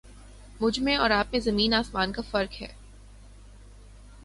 مجھ میں اور آپ میں زمیں آسمان کا فرق ہے